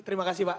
terima kasih pak